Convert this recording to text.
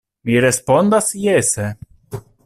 Mi respondas jese.